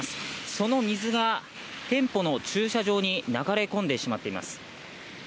その水が店舗の駐車場に流れ込んでしまっています。